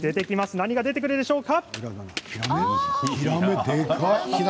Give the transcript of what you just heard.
何が出てくるでしょうか。